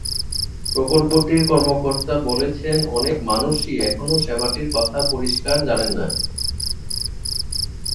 প্রকল্পটির কর্মকর্তারা বলছেন, অনেক মানুষই এখনো সেবাটির কথা পরিষ্কার জানেন না।